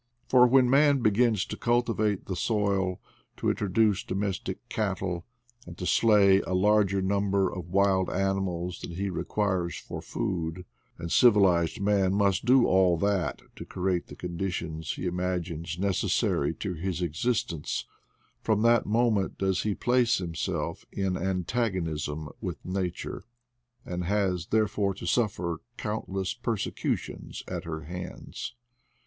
For when man begins to cultivate the soil, to introduce domestic cattle, and to slay a larger number of wild animals than he inquires for food — and civilized man must do all that to create the conditions he imagines necessary to his existence — from that moment does he place him self in antagonism with nature, and has there after to suffer countless persecutions at her hands.